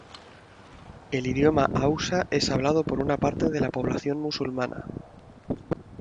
El idioma hausa es hablado por una parte de la población musulmana.